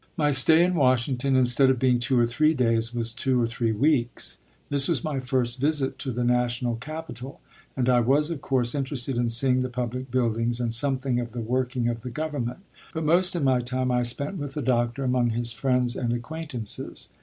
My stay in Washington, instead of being two or three days, was two or three weeks. This was my first visit to the national capital, and I was, of course, interested in seeing the public buildings and something of the working of the government; but most of my time I spent with the doctor among his friends and acquaintances.